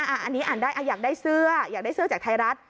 อันนี้อ่านได้อยากได้เสื้ออยากได้เสื้อจากไทยรัฐ